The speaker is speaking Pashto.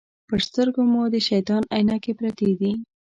پر سترګو مو د شیطان عینکې پرتې دي.